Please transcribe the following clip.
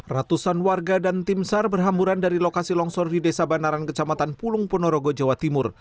ratusan warga dan tim sar berhamburan dari lokasi longsor di desa banaran kecamatan pulung ponorogo jawa timur